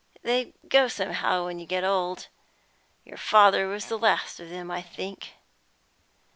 They go somehow when you get old. Your father was the last of them, I think.